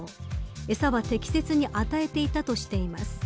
餌は適切に与えていたとしています。